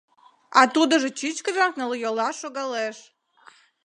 А тудыжо чӱчкыдынак нылйола шогалеш.